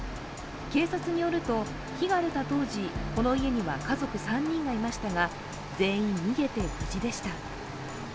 警察によると、火が出た当時、この家には家族３人がいましたが、全員逃げて無事でした。